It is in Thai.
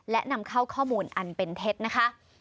และนำเข้าข้อมูลอันเป็นเท็จนะคะ